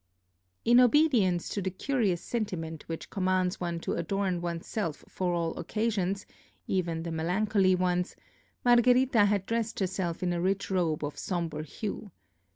In obedience to the curious sentiment which commands one to adorn one's self for all occasions, even the melancholy ones, Margherita had dressed herself in a rich robe of sombre hue.